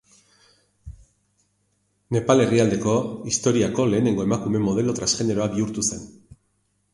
Nepal herrialdeko historiako lehenengo emakume modelo transgeneroa bihurtu zen.